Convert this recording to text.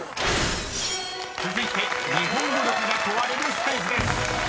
［続いて日本語力が問われるステージです］